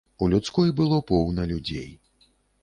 У людской было поўна людзей.